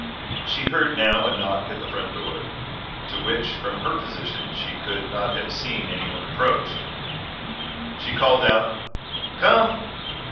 She heard now a knock at the front door, to which, from her position, she could not have seen anyone approach. She called out, "Come!"